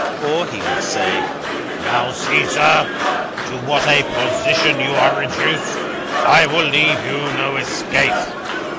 Or he would say: "Now see, sir, to what a position you are reduced. I will leave you no escape.